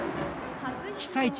被災地